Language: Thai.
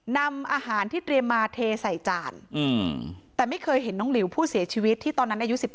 นำอาหารที่เตรียมมาเทใส่จานแต่ไม่เคยเห็นน้องหลิวผู้เสียชีวิตที่ตอนนั้นอายุ๑๕